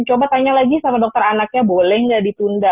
coba tanya lagi sama dokter anaknya boleh nggak ditunda